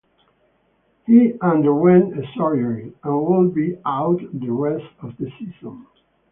He underwent a surgery, and would be out the rest of the season.